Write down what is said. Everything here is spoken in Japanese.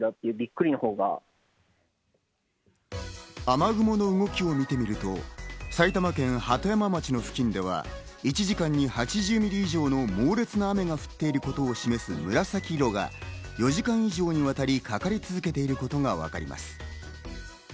雨雲の動きを見てみると、埼玉県鳩山町の付近では１時間に８０ミリ以上の猛烈な雨が降っていることを示す紫色が４時間以上にわたり、かかり続けていることがわかります。